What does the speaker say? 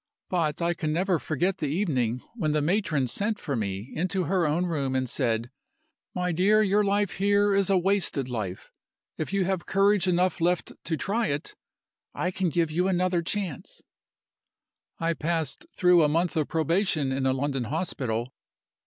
But I can never forget the evening when the matron sent for me into her own room and said, 'My dear, your life here is a wasted life. If you have courage enough left to try it, I can give you another chance.' "I passed through a month of probation in a London hospital.